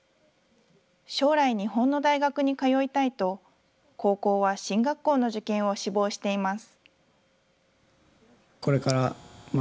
将来、日本の大学に通いたいと、高校は進学校の受験を志望しています。